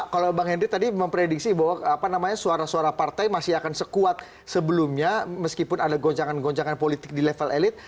kalau bang henry tadi memprediksi bahwa suara suara partai masih akan sekuat sebelumnya meskipun ada goncangan goncangan politik di level elit